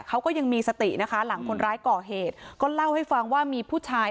เขาก็ยังมีสตินะคะหลังคนร้ายก่อเหตุก็เล่าให้ฟังว่ามีผู้ชาย